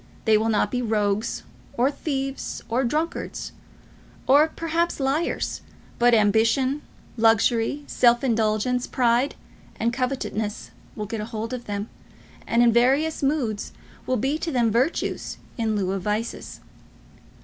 They will not be rogues, or thieves, or drunkards, or, perhaps, liars; but ambition, luxury, self indulgence, pride, and covetousness will get a hold of them, and in various moods will be to them virtues in lieu of vices.